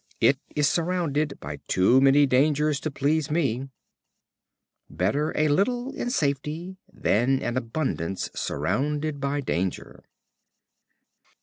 It is surrounded by too many dangers to please me." Better a little in safety, than an abundance surrounded by danger.